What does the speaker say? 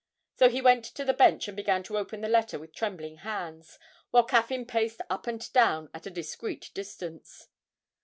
So he went to the bench and began to open the letter with trembling hands, while Caffyn paced up and down at a discreet distance.